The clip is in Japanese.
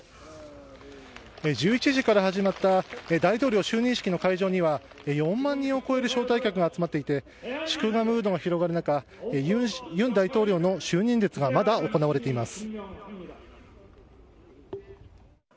１１時から始まった大統領就任式の会場には、４万人を超える招待客が集まっていて、祝賀ムードが広がる中、ユン大統領の就任演説が、まだ行われています。